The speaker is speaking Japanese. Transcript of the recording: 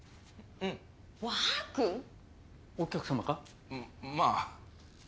うんまあ。